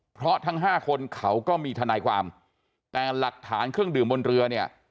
เพราะทั้งห้าคนเขาก็มีทนายความแต่หลักฐานเครื่องดื่มบนเรือเนี่ย